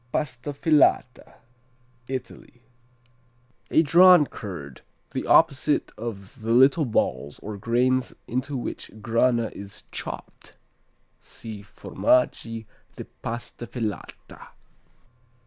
Pasta Filata Italy A "drawn" curd, the opposite of the little balls or grains into which Grana is chopped.(See Formaggi di Pasta Filata.)